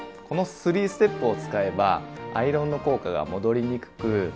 この３ステップを使えばアイロンの効果が戻りにくく